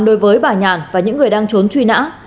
đối với bà nhàn và những người đang trốn truy nã